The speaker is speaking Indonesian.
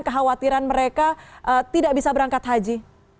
kekhawatiran mereka tidak bisa berangkat haji